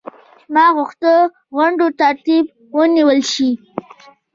ما غوښتل غونډو ترتیب ونیول شي.